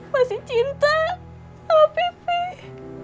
masih cinta sama pipih